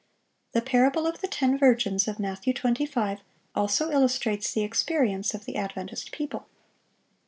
The parable of the ten virgins of Matthew 25 also illustrates the experience of the Adventist people.